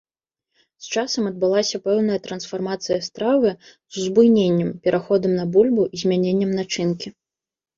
З часам адбылася пэўная трансфармацыя стравы з узбуйненнем, пераходам на бульбу і змяненнем начынкі.